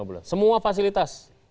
tiga lima bulan semua fasilitas